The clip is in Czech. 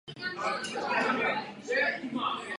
I dřevěná kostra křídla byla potažena plátnem.